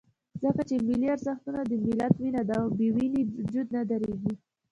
ځکه چې ملي ارزښتونه د ملت وینه ده، او بې وینې وجود نه درېږي.